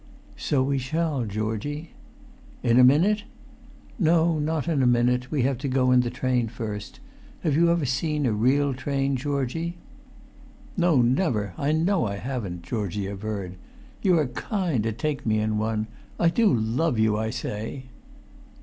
"So we shall, Georgie." "In a minute?" "No, not in a minute; we have to go in the train first. Have you ever seen a real train, Georgie?" "No, never. I know I haven't," Georgie averred. "You are kind to take me in one! I do love you, I say!"